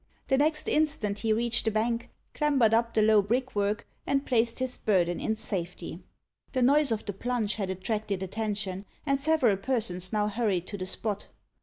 The next instant he reached the bank, clambered up the low brickwork, and placed his burden in safety. The noise of the plunge had attracted attention, and several persons now hurried to the spot.